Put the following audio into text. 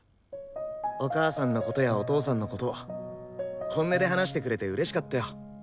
お母さんのことやお父さんのこと本音で話してくれてうれしかったよ。